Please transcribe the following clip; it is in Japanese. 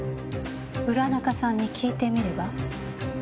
浦中さんに訊いてみれば？